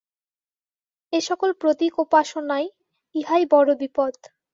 এই-সকল প্রতীকোপাসনায় ইহাই বড় বিপদ।